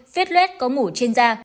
viết loét có mổ trên da